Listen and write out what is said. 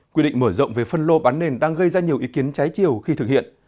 quy định mở rộng về phân lô bán nền đang gây ra nhiều ý kiến trái chiều khi thực hiện